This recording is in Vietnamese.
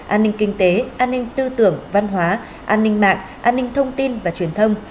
an ninh kinh tế an ninh tư tưởng văn hóa an ninh mạng an ninh thông tin và truyền thông